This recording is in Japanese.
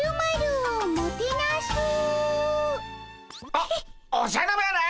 おおじゃる丸！